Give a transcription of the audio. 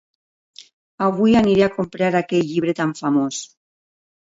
Avui aniré a comprar aquell llibre tan famós.